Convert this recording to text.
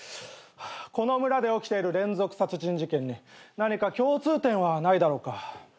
この村で起きている連続殺人事件に何か共通点はないだろうか。